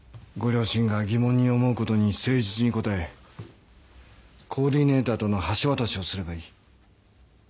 両親が疑問に思うことに誠実に答えコーディネーターとの橋渡しをすればいい。